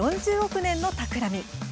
４０億年のたくらみ」。